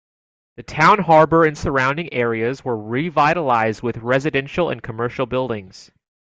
The town harbour and surrounding areas were revitalized with residential and commercial buildings.